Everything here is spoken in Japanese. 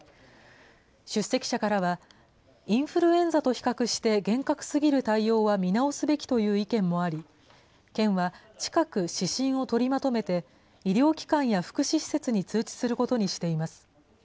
出席者からは、インフルエンザと比較して厳格すぎる対応は見直すべきという意見もあり、県は近く、指針を取りまとめて、医療機関や福祉施設に通知することにしています。